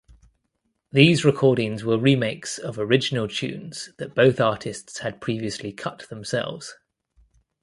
These recordings were remakes of original tunes that both artists had previously cut themselves.